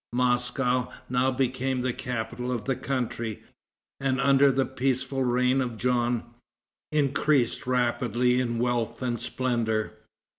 Moscow now became the capital of the country, and under the peaceful reign of Jean, increased rapidly in wealth and splendor.